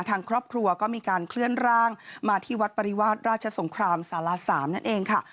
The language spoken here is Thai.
ทางครอบครัวก็มีการเคลื่อนร่างมาที่วัดปริวาสราชสงครามสาร๓นั่นเองค่ะ